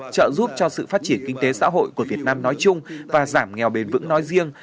trợ giúp cho sự phát triển kinh tế xã hội của việt nam nói chung và giảm nghèo bền vững nói riêng